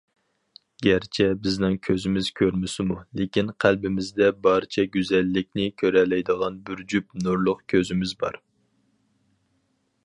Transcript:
گەرچە بىزنىڭ كۆزىمىز كۆرمىسىمۇ، لېكىن قەلبىمىزدە بارچە گۈزەللىكنى كۆرەلەيدىغان بىر جۈپ نۇرلۇق كۆزىمىز بار.